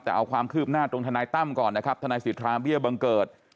แต่เอาความคืบหน้าตรงทนายตั้มก่อนนะครับทนายสิทธาเบี้ยบังเกิด